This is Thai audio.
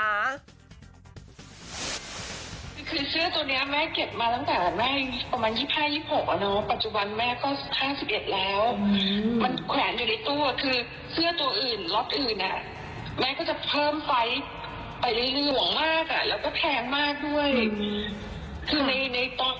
แม่หมูการรับไพลี่เนี่ยก็จะช่องไว้อย่างดีเนาะ